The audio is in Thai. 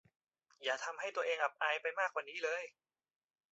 อย่าทำให้ตัวเองอับอายไปมากกว่านี้เลย